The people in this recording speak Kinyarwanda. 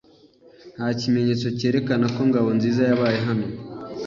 Nta kimenyetso cyerekana ko Ngabonziza yabaye hano.